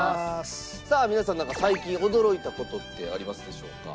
皆さん最近驚いた事ってありますでしょうか？